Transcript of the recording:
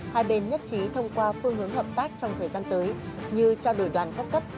hai bên nhất trí thông qua phương hướng hợp tác trong thời gian tới như trao đổi đoàn các cấp